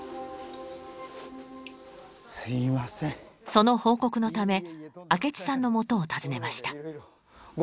その報告のため明智さんのもとを訪ねました。